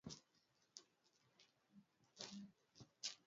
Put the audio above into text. Mama moja eko na shamba yake kubwa sana